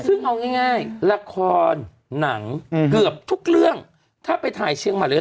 ซึ่งเอาง่ายละครหนังเกือบทุกเรื่องถ้าไปถ่ายเชียงใหม่หรือ